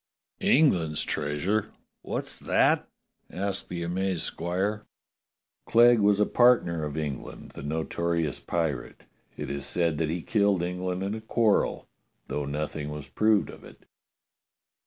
"England's treasure? What's that?" asked the amazed squire. "Clegg was a partner of England, the notorious pi rate. It is said that he killed England in a quarrel, though nothing was proved of it.